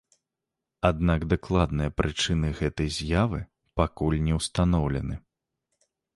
Аднак дакладныя прычыны гэтай з'явы пакуль не ўстаноўлены.